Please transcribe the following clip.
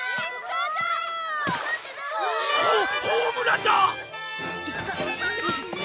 ホホームランだ！